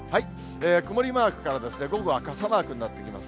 曇りマークから、午後は傘マークになってきます。